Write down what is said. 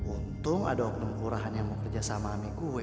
untung ada okno kurahan yang mau kerja sama amik gue